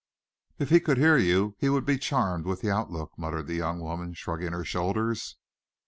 "If he could hear you, he would be charmed with the outlook," muttered the young woman, shrugging her shoulders.